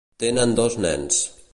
Tenen dos nens.